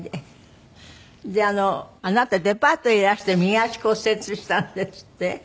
あなたデパートへいらして右足骨折したんですって？